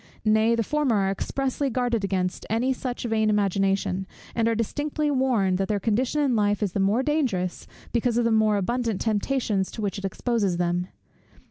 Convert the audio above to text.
Nay, the former are expressly guarded against any such vain imagination; and are distinctly warned, that their condition in life is the more dangerous, because of the more abundant temptations to which it exposes them.